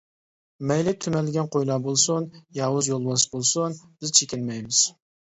مەيلى تۈمەنلىگەن قويلار بولسۇن، ياۋۇز يولۋاس بولسۇن، بىز چېكىنمەيمىز.